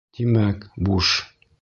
Тимәк, буш.